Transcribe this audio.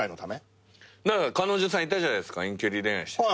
彼女さんいたじゃないっすか遠距離恋愛。